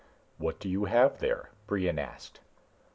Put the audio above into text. "What do you have there?" Brion asked.